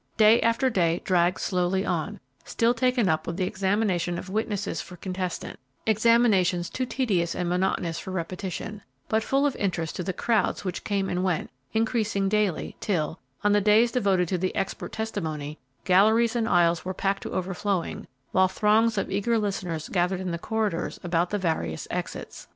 Day after day dragged slowly on, still taken up with the examination of witnesses for contestant; examinations too tedious and monotonous for repetition, but full of interest to the crowds which came and went, increasing daily, till, on the days devoted to the expert testimony, galleries and aisles were packed to overflowing, while throngs of eager listeners gathered in the corridors about the various exits.